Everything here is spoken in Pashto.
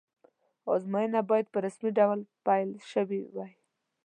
ازموینه باید په رسمي ډول پیل شوې وی.